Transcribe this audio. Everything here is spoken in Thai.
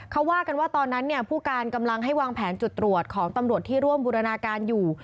เขาว่ากันว่าตอนนั้นผู้การกำลังให้วางแผนจุดตรวจของตำรวจที่ร่วมบูรณาการอยู่